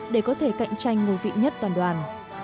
để có thể cạnh tranh ngôi vị nhất toàn đoàn